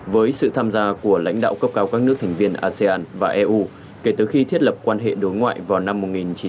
với sự tham gia của lãnh đạo cấp cao các nước thành viên asean và eu kể từ khi thiết lập quan hệ đối ngoại vào năm một nghìn chín trăm chín mươi